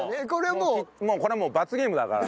これはもう罰ゲームだから。